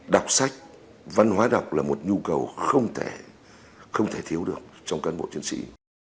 đọc sách văn hóa đọc là một nhu cầu không thể thiếu được trong cán bộ chiến sĩ